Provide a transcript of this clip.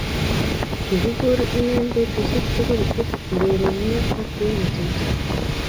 Kikigur ine petusiek tugul ipko urerenio ak werichoto